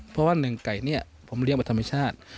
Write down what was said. เพราะว่าหนึ่งไก่เนี่ยผมเลี้ยงมาธรรมชาติ